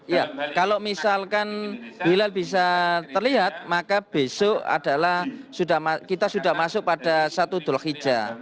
ya kalau misalkan hilal bisa terlihat maka besok adalah kita sudah masuk pada satu dulhijjah